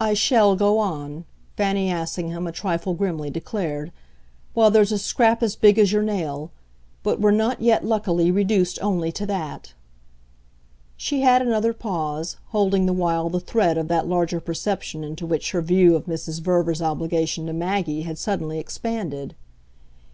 "I shall go on," Fanny Assingham a trifle grimly declared, "while there's a scrap as big as your nail. But we're not yet, luckily, reduced only to that." She had another pause, holding the while the thread of that larger perception into which her view of Mrs. Verver's obligation to Maggie had suddenly expanded.